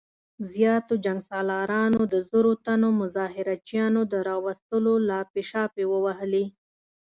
زياتو جنګ سالارانو د زرو تنو مظاهره چيانو د راوستلو لاپې شاپې ووهلې.